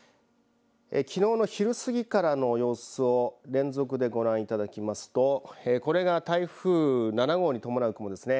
きのうの昼過ぎからの様子を連続でご覧いただきますとこれが台風７号に伴う雲ですね。